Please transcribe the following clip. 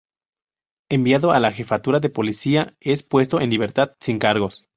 Enviado a la Jefatura de Policía es puesto en libertad sin cargos.